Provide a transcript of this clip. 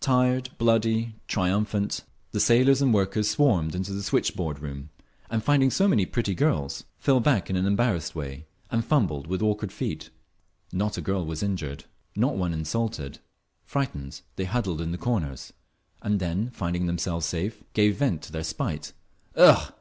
Tired, bloody, triumphant, the sailors and workers swarmed into the switchboard room, and finding so many pretty girls, fell back in an embarrassed way and fumbled with awkward feet. Not a girl was injured, not one insulted. Frightened, they huddled in the corners, and then, finding themselves safe, gave vent to their spite. "Ugh!